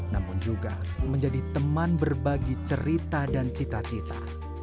namun juga menjadi teman berbagi cerita dan cita cita